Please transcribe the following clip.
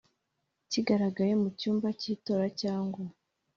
Kigaragaye mu cyumba cy itora cyangwa